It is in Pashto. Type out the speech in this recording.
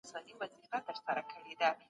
نړیوال اقتصادي بحرانونه پر موږ هم اغېز کوي.